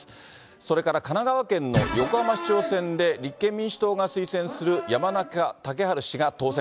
それから神奈川県の横浜市長選で、立憲民主党が推薦する山中竹春氏が当選。